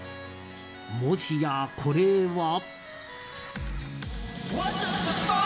もしや、これは。